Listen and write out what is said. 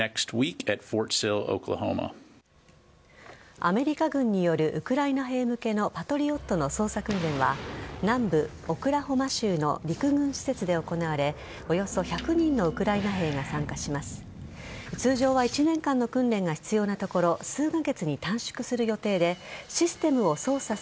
アメリカ軍によるウクライナ兵向けのパトリオットの操作訓練は南部・オクラホマ州の陸軍施設で行われおよそ１００人のウクライナ兵が参加します。